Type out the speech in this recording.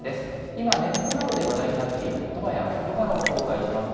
今ネットなどで話題となっていることばや事柄をご紹介します。